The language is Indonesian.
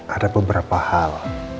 ada beberapa hal